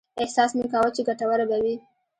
احساس مې کاوه چې ګټوره به وي.